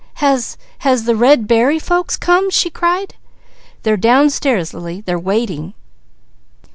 "Has has the red berry folks come?" she cried. "They're downstairs, Lily. They're waiting."